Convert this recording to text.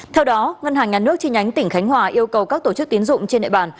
theo đó ngân hàng nhà nước chi nhánh tỉnh khánh hòa yêu cầu các tổ chức tiến dụng trên địa bàn